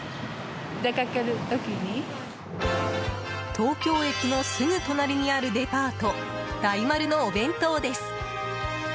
東京駅のすぐ隣にあるデパート大丸のお弁当です。